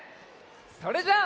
それじゃあ。